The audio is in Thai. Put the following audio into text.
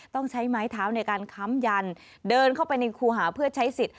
ต้องใช้ไม้เท้าในการค้ำยันเดินเข้าไปในครูหาเพื่อใช้สิทธิ